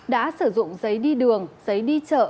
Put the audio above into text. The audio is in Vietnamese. đã sử dụng giấy đi đường giấy đi chợ